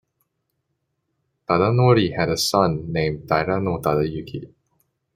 Tadanori had a son named Taira no Tadayuki.